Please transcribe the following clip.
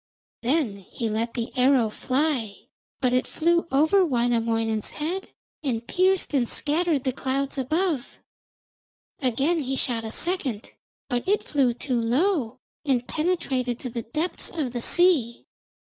Then he let the arrow fly, but it flew over Wainamoinen's head and pierced and scattered the clouds above. Again he shot a second, but it flew too low and penetrated to the depths of the sea.